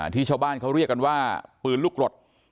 ที่ชาวบ้านเขาเรียกกันว่าปืนลูกกรด